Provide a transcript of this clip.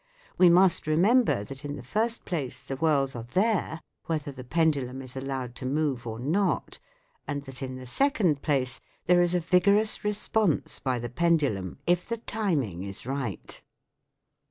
We must remember that in the first place the whirls are there, whether the pen dulum is allowed to move or not ; and that in the second place there is a vigorous re sponse by the pen dulum if the timing is right.